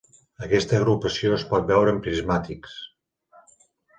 Aquesta agrupació es pot veure amb prismàtics.